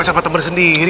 sampai temen sendiri